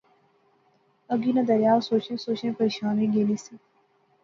اگی ناں دریا، او سوچنیاں سوچنیاں پریشان ہوئی گینی سی